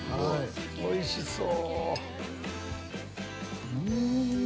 おいしそう！